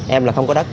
em là không có đất